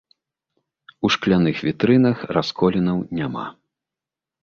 У шкляных вітрынах расколінаў няма.